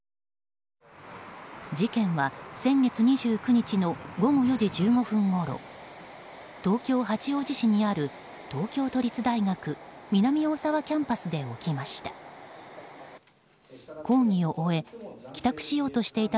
事件は先月２９日の午後４時１５分ごろ東京・八王子市にある東京都立大学南大沢キャンパスで起きました。